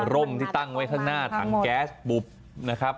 ร่มที่ตั้งไว้ข้างหน้าถังแก๊สบุบนะครับ